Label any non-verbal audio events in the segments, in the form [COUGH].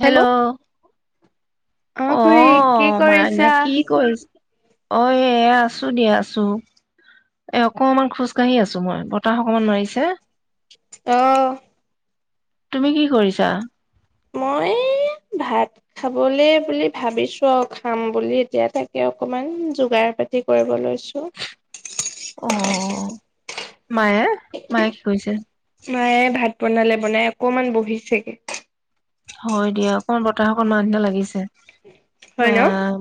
Hello অ খুৰী কি অ', মানে কৰিছা? কি কৰিছে? অ', এ, এ, আছো দিয়া আছো এ, অকনমান খোজ কাঢ়ি আছো মই, বতাহ অকমান মাৰিছে। অ'। তুমি কি কৰিছা? মই ভাত খাবলৈ বুলি ভাবিছো আৰু খাম বুলি এতিয়া তাকে অকমান যোগাৰ পাতি কৰিব লৈছো। অ মায়ে মায়ে কি কৰিছে মায়ে ভাত বনালে বনাই অকমান বহিছেগে। হয় দিয়া, অকমান বতাহ অকণমানাহ দিনা লাগিছে। হয় ন? অ'।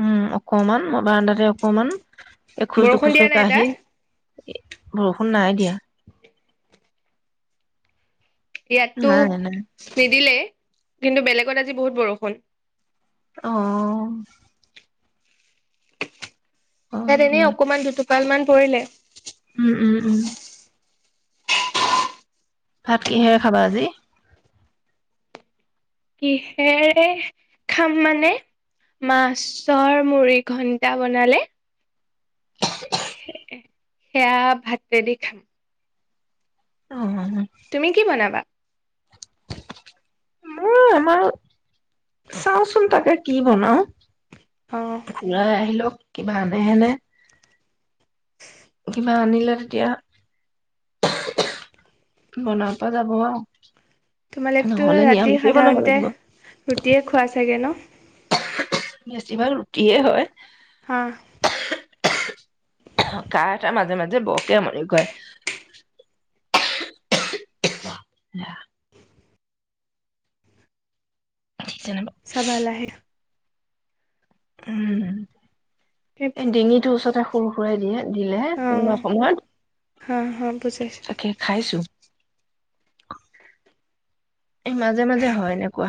উম, অকমান ম বাৰানডাতে অকমান বৰষুণ দিয়া নাই তাত? এ, বৰষুণ নাই দিয়া। ইয়াততো নাই নাই নিদিলে। কিন্তু বেলেগত আজি বহুত বৰষুণ। অ'। অ ত' এনে দিয়া অকমান দুটুপ ালমান পৰিলে উম উম উম ভাত কিহেৰে খাবা আজি কিহেৰে খাম মানে মাছৰ মুৰি ঘণ্টা বনালে সেয়া ভাতেদি খাম তুমি কি বনাবা মই আমাৰ চাওচোন তাকে কি বনাও অঁ ঘৰাই আহিলও কিবা আনেহেনে কিবা আনিলে তেতিয়া বনাব পৰা যাব আৰু তোমালোকতো নহলে ৰাতি নিৰামিষেই বনাব সাধাৰণতে লাগিব ৰুটিয়ে খোৱা চাগে ন বেছি ভাগ ৰুটিয়ে হয় হা কাহ এটা মাজে মাজে বৰকে আমনি কৰে ঠিক যেনিবা সৱাল আহ উম এ ডিঙিটো ওচৰত এ সৰু সুৰাই দিয়ে দিলেহে অঁ কোনোবা হা হা সময়ত বুজাইছো তাকে খাইছো [INAUDIBLE] এ মাজে মাজে হয় এনেকুৱা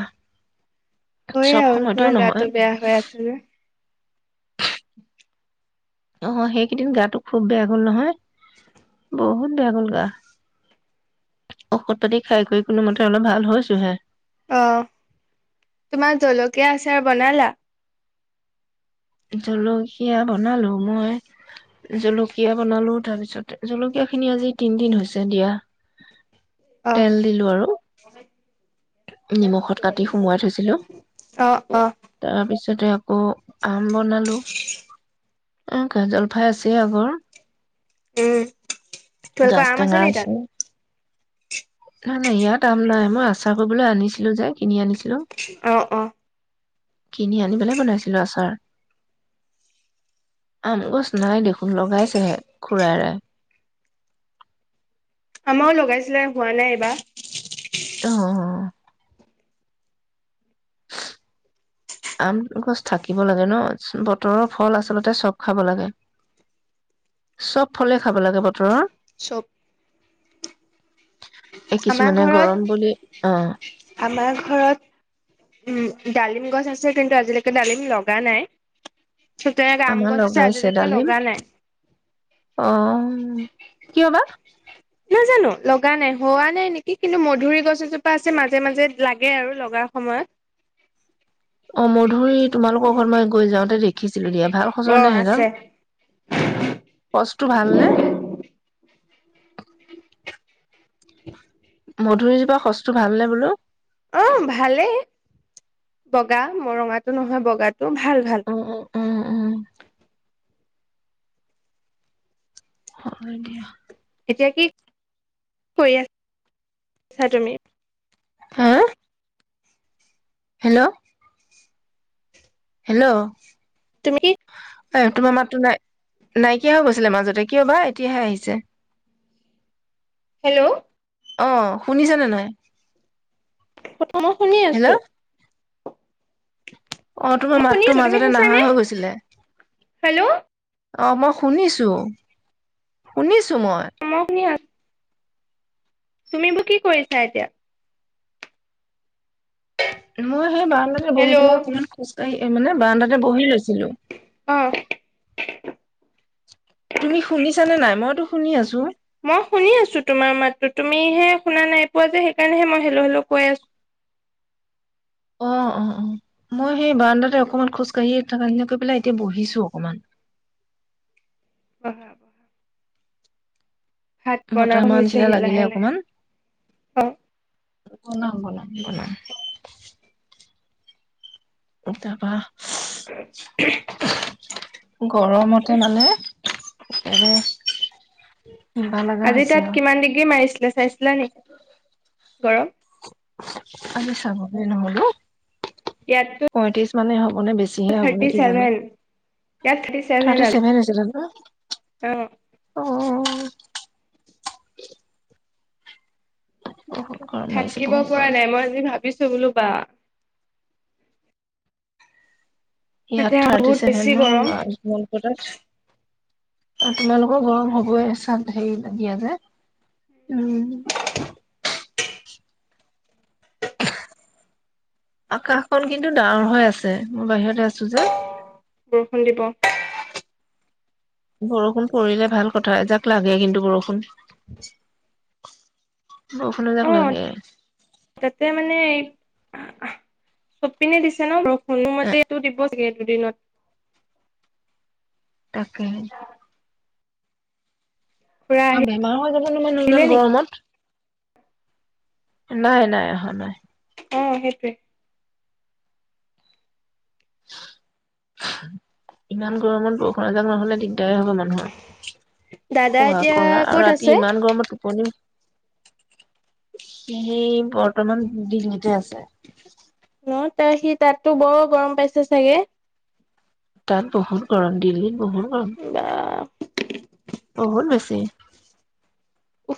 চব হয়েই আৰু সময়তেও তোমাৰ নহয় গাটো বেয়া হৈ আছিল অঁ সেইকেইদিন গাটো খুব বেয়া গল নহয় বহুত বেয়া গল গা ঔষধ পাতি খাই কৰি কোনোমতে অলপ ভাল হৈছোহে অঁ তোমাৰ জলকীয়া আচাৰ বনালা জলকীয়া বনালো মই জলকীয়া বনালো তাৰপিছত জলকীয়া খিনি আজি তিনদিন হৈছে দিয়া অঁ তেল দিলো আৰু নিমখত কাটি সুমোৱাই থৈছিলো অঁ অঁ তাৰ পিছত তাতে আাকৌ আম বনালোঁ অঁ জলফাই আছে আগৰ উম তোালোকৰ গাছ আম টেঙা আছে নে তাত নাই নাই ইয়াত আম নাই মই আচাৰ কৰিবলৈ আনিছিলো যে কিনি আনিছিলো অঁ অঁ কিনি আনি পেলাই বনাইছিলো আচাৰ আম গছ নাই দেখোন লগাইছেহে খুৰাইয়ে আমাৰো লগাইছিলে হোৱা নাই এইবাৰ অঁ অঁ আম গছ থাকিব লাগে ন বতৰৰ ফল আচলতে চব খাব লাগে চব ফলে খাব লাগে বতৰৰ চব- এই আমাৰ কিছুমানে ঘৰত, গৰম বুলি অ আমাৰ ঘৰত, উম', ডালিম গছ আছে কিন্তু আজিলৈকে ডালিম লগা নাই। ঠিক তেনেকে আম আমাৰ গছ আছে লগাইছে আজিলৈকে ডালিম। লগা নাই অ', উম ', কিয়বা? নাজানো লগা নাই, হোৱা নাই নেকি কিন্তু মধুৰি গছ এজোপা আছে মাজে- মাজে লাগে আৰু লগাৰ সময়ত। অ ', মধুৰিতোমালোকৰ ঘৰত মই গৈ যাওঁতে দেখিছিলো দিয়া ভাল অ খচৰ নাই ন, আছে সচটো ভালনে? [INAUDIBLE] মধুৰিজোপা সচটো ভালনে বোলো? অ ', ভালেই বগা মৰঙাটো নহয়, বগা, উম -উম-উম- উম হয় দিয়া। এতিয়া কি কৰি আছা তুমি? হা, হেল্ল', হেল্ল', তুমি? এ ', তোমাৰ মাততো নাই, নাইকিয়া হৈ গৈছিলে মাজতে কিয় বা এতিয়াহে আহিছে। হেল্ল', অ', শুনিছেনে নে নাই? অ ', মই শুনি আছো। অহ ', তোমাৰ মই শুনি মাতটো আছো তুমি মাজতে নাহা শুনিছানে হৈ গৈছিলে। হেল্ল' অ ', মই শুনিছো - শুনিছো। মই [UNINTELLIGIBLE] তুমি বোৰ কি কৰিছা এতিয়া? মই সেই বাৰন্দাতে বহি হেল্ল' পেলাই অকমান খোজকাঢ়ি, এই, মানে বাৰন্দাতে বহি লৈছে। ছিলো। অ তুমি শুনিছানে নাই? মইতো শুনি আছো। মই শুনি আছো তোমাৰ মাতটো। তুমিহে শুনা নাই পোৱা যে, সেইকাৰণেহে মই হেলো - হেলো কৈ আছো। অ ', - অ ', - অ ', মই সেই বাৰন্দাতে অকণমান খোজকাঢ়ি থাকা হিনি কৰি পেলাই এতিয়া বহিছো অকণমান। বাহ', বতাহ মাৰা নিচিনা হৈছেহি লাগিলে লাহে লাহে অকমান। অ কলা হৈ গল। [INAUDIBLE] [UNINTELLIGIBLE] [UNINTELLIGIBLE] গৰমতে মানে একো, আজি তাত কিমান ডিগ্ৰী মাৰিছিলে চাইছিলা নেকি? গৰম? আজি চাবহে নহ'লো। ইয়াতো পয়ত্ৰিশ মানে হওক মানে বেছিহে হ'ব নে কি জানো ইয়াত থাৰ্টি ছেভেন থাৰটি আজি চেভেন হৈছে জ অ অ থে বহুত গৰম মাৰিছে থাকিব বহুত পৰা গৰম নাই মই আজি ভাবিছো বোলো বা তাতে ইয়াত থাৰ্টি বহুত ছেভেন বেছি গৰম নলকটাত অ তোমালোকৰ গৰম হবই চাৰ্ড হেৰি নাইদিয়া যে উম আকাশখন কিন্তু ডাঙৰ হৈ আছে মই বাহিৰতে আছো যে বৰষুণ দিব বৰষুণ পৰিলে ভাল কথা এজাক লাগে কিন্তু বৰষুণ বৰষুণ এজাক অ লাগে চপ পিনে দিছে ন বৰষুণ এ কোনোমতে এটো দিব গেল দুদিনত তাকে খুৰা বেমাৰ হৈ যাব জানো মানে আহিলে ইমান নেকি গৰমত নাই নাই অহা নাই অ সেইটোৱে ইমান গৰমত বৰষুণ এজাক নহলে দিগদাৰ দায় হ'ব মানুহৰ দাদা শুৱা এতিয়া কৰা আৰু ক'ত ৰাতি আছে ইমান গৰমত টোপনি সেই বৰ বৰ্তমান দিল্লীতে আছে ত সি তাততো বৰ গৰম পাইছে চাগে তাত বহুত গৰম দিল্লীত বহুত গৰম বা [UNINTELLIGIBLE] বহুত বেছি উ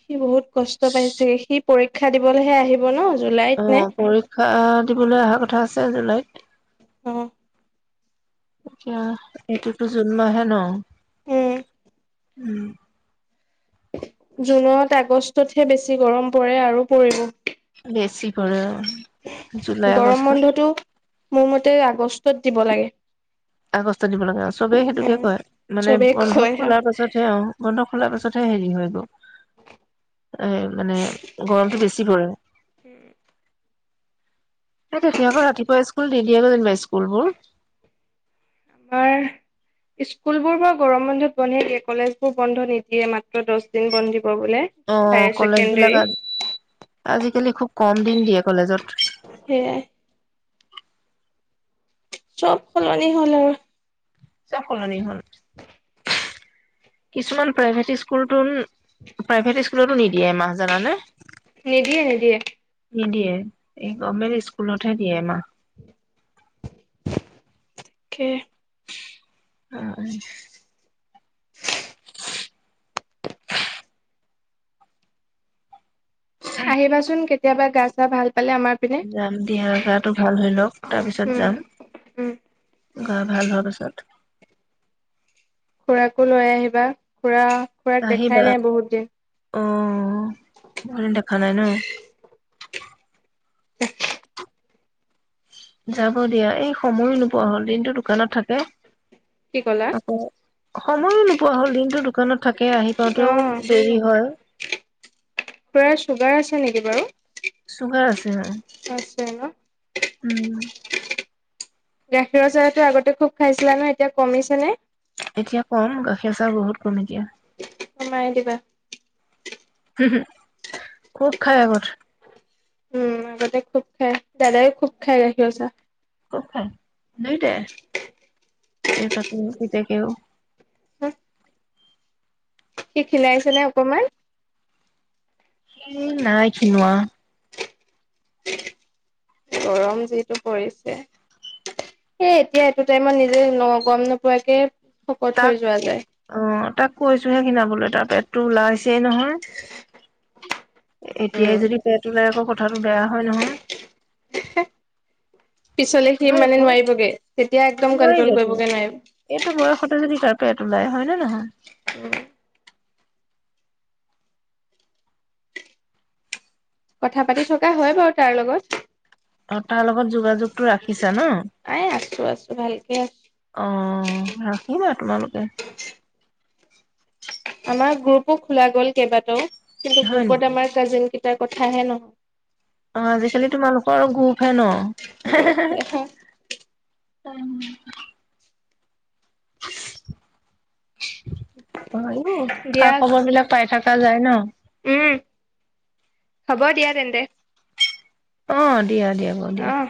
সি বহুত কষ্ট পাইছেগে সি পৰীক্ষা দিবলৈহে আহিব ন জুলাইত নে অ পৰীক্ষা দিবলৈ আহক কথা আছে জুলাইত অ [UNINTELLIGIBLE] এতিয়া এইটোতো জুনমাহে ন উম উম জুনত আগষ্ট ত'তহে বেছি গৰম পৰে আৰু পৰিব। বেছি পৰে জুলাই -আগষ্টত। বস্তুত দিব লাগে। আগষ্ট দিব লাগে আৰু চবেই সেইটোকে উম কয় মানে চবেই বন্ধ কয় হা। খোলাৰ পাছতহে বন্ধ খোলাৰ পাছত হেৰি হৈ গৈ এ মানে গৰমটো বেছি পৰে। এই তেতিয়া আকৌ ৰাতিপুৱা স্কুল নিদিয়ে ন এনেই স্কুলবোৰ। আমাৰ স্কুলবোৰ বাৰু গৰম বন্ধত বন্ধে দিয়ে। কলেজ বোৰ বন্ধ নিদিয়ে মাত্ৰ দহ দিন বন্ধ দিব। বোলে অ' হায়াৰ কলেজ বিলাক ছেকেণ্ডৰী আজি - আজিকালি খুব কম দিন দিয়ে কলেজত সেয়াই চব সলনি হ'ল আৰু চব সলনি হ'ল। [INAUDIBLE] কিছুমান প্ৰাইভেট স্কুল তুন প্ৰাইভেট ই স্কুলতো নিদিয়ে এমাহ জানানে? নিদিয়ে নিদিয়ে নিদিয়ে। এই গভমেণ্ট স্কুলতহে দিয়ে এমাহ। তাকে অ আহিবাচোন কেত কেতিয়াবা গা-চা ভাল পালে আমাৰ পিনে যাম দিয়া। গাটো ভাল হৈ লওক। তাৰপিছত উম যাম। উম গা ভাল হোৱাৰ পাছত। খুৰাকো লৈ আহিবা। খুৰা খুৰাক দেখাই আহিবা নাই বহুত দিন। অ বহুত দিন দেখা নাই ন? যাব দিয়া। এই সময়ো নোপোৱা হ'ল। দিনটো দোকানত থাকে। কি ক'লা? আ সময়ো নোপোৱা হ'ল। দিনটো দোকানত থাকে, আহি পাওঁতেও অ', দেৰি হয়। খুৰাৰ চুগাৰ আছে নেকি বাৰু? চুগাৰ আছে। হয়। আছে ন। উম গাখীৰৰ চাহটো আগতে খুব খাইছিলা ন এতিয়া কমিছে নে? এতিয়া কম। গাখীৰৰ চাহ বহুত কম এতিয়া। কমাই দিবা। খুব খাই আগত। উম আগতে খুব খায়। দাদাই খুব খুব খায় গাখীৰৰ চাহ। খুব খায় দুইটাই। হম সি খিলাইছে নে অকমান উ নাই খিনোৱা গৰম যিটো পৰিছে সেই এতিয়া এইটো টাইমত নিজে ন গম নোপোৱাকে শকত হৈ তাক যোৱা যায়। অ তাক কৈছো সেই কিনাবলৈ তাৰ পেট ওলাইছে নহয় এতিয়াই উম, যদি পেট ওলাই আকৌ আৰু বেয়া হয় নহয় পিছলে সি নোৱাৰিব মানে নোৱাৰিবগে তেতিয়া একদম কন্ট্ৰল নোৱাৰিবতো কৰিবগে এইটো বয়সতে যদি নোৱাৰিব কাৰ্পেট ওলাই হয় নে নহয় কথা পাতি থকা হয় বাৰু তাৰ লগত অ তাৰ লগত যোগাযোগ টো ৰাখিছা ন ভাল অ ৰাখিবা তোমালোক উ আমাৰ গ্ৰুপো খোলা গ'ল কেইবাটাও কিন্তু হয় গ্ৰুপত নেকি আমাৰ কাজিন [UNINTELLIGIBLE] কথাহে নহয় অ আজিকালি তোমালোকৰ গ্ৰুপ হে ন গ্ৰুপ হে হয় উ [INAUDIBLE] পাৰিব খা দিয়া খবৰ বিলাক পাই থাক পৰা যায় ন উম হব দিয়া তেন্তে অ দিয়া দিয়া ব দিয়া অ'।